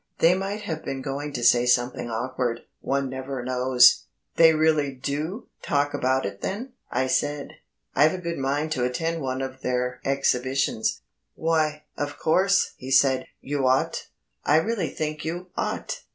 They might have been going to say something awkward ... one never knows." "They really do talk about it then?" I said. "I've a good mind to attend one of their exhibitions." "Why, of course," he said, "you ought. I really think you ought."